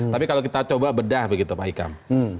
tapi kalau kita coba bedah begitu pak hikam